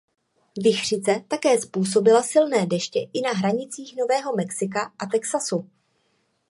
Vichřice také způsobila silné deště i na hranicích Nového Mexika a Texasu.